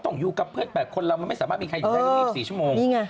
ต้องอยู่กับเพื่อนแปดคนเราไม่สามารถมีใครอยู่แปด๒๔ชั่วโมง